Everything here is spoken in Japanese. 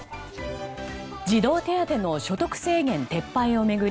児童手当の所得制限撤廃を巡り